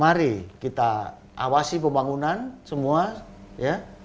mari kita awasi pembangunan semua ya